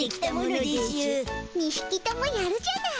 ２ひきともやるじゃない。